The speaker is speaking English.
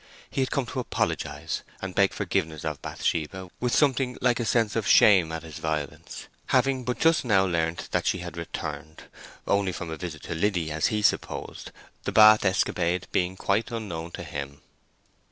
He had come to apologize and beg forgiveness of Bathsheba with something like a sense of shame at his violence, having but just now learnt that she had returned—only from a visit to Liddy, as he supposed, the Bath escapade being quite unknown to him.